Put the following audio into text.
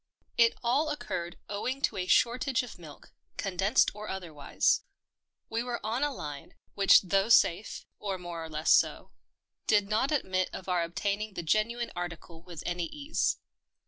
It all occurred owing to a shortage of milk — condensed or otherwise. We were on a line, which though safe — or more or less so — did not admit of our obtaining the genuine article with any ease.